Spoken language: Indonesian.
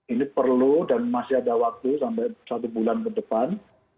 ini perlu dan masih ada waktu sampai satu bulan ke depan